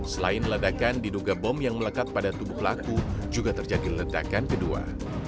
selain ledakan diduga bom yang melekat pada tubuh pelaku juga terjadi ledakan kedua